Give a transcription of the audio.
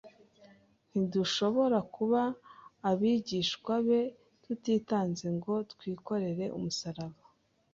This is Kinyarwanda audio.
Ntidushobora kuba abigishwa be tutitanze ngo twikorere umusaraba.